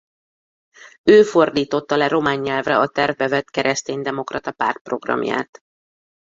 Ő fordította le román nyelvre a tervbe vett Keresztény Demokrata Párt programját.